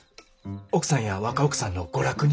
奥さんや若奥さんの娯楽に。